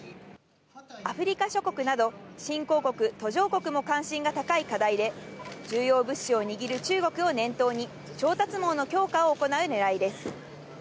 アフリカ諸国など新興国・途上国も関心が高い課題で、重要物資を握る中国を念頭に調達網の強化を行う狙いです。